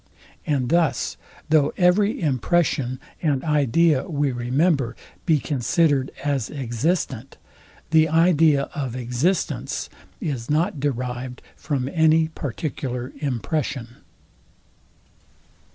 And thus, though every impression and idea we remember be considered as existent, the idea of existence is not derived from any particular impression.